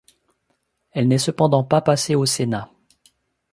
Elle n'est cependant pas passée au Sénat.